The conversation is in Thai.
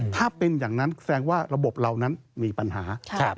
ถ้าเป็นอย่างนั้นแสดงว่าระบบเรานั้นมีปัญหา